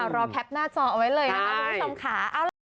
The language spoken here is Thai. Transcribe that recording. รอแพลปหน้าเจาะไว้เลยครับพี่ผู้ชมขา